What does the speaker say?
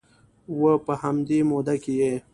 و په همدې موده کې یې